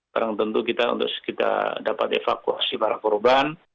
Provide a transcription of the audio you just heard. sekarang tentu kita dapat evakuasi para korban